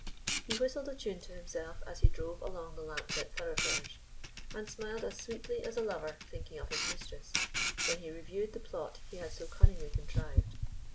He whistled a tune to himself as he drove along the lamplit thoroughfares, and smiled as sweetly as a lover thinking of his mistress when he reviewed the plot he had so cunningly contrived.